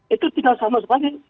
itu tidak sama sekali